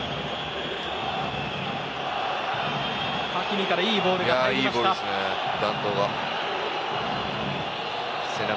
ハキミからいいボールが入りました。